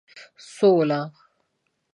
سوله